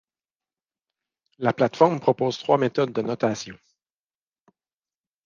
La plateforme propose trois méthodes de notation.